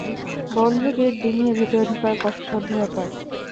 বন্ধ গেট ডিঙিয়ে ভেতরে ঢোকা কষ্টসাধ্য ব্যাপার।